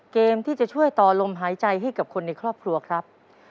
เกมที่จะช่วยต่อลมหายใจให้กับคนในครอบครัวครับ